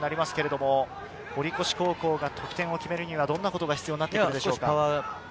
堀越高校が得点を決めるにはどんなことが必要でしょうか？